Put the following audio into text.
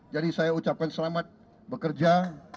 jadi saya ucapkan selamat bekerja